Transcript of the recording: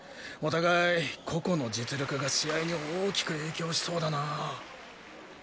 お互い個々の実力が試合に大きく影響しそうだな。